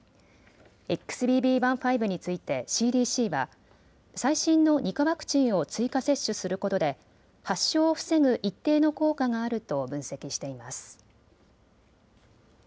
ＸＢＢ．１．５についてＣＤＣは最新の２価ワクチンを追加接種することで発症を防ぐ一定の効果があると分析しています。